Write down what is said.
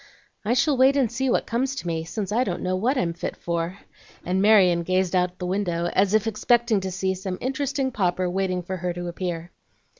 "I shall wait and see what comes to me, since I don't know what I'm fit for;" and Marion gazed out of the window as if expecting to see some interesting pauper waiting for her to appear.